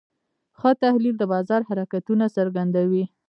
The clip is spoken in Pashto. ښه تحلیل د بازار حرکتونه څرګندوي.